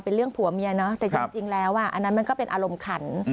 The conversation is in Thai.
เป็นเรื่องผัวเมียเนาะแต่จริงแล้วอันนั้นมันก็เป็นอารมณ์ขัน